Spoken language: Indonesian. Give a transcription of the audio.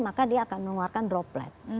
maka dia akan mengeluarkan droplet